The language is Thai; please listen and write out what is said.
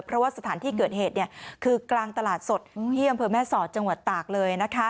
เพราะว่าสถานที่เกิดเหตุคือกลางตลาดสดที่อำเภอแม่สอดจังหวัดตากเลย